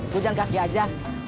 tujuan kaki aja